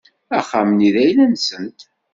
Axxam-nni d ayla-nsent.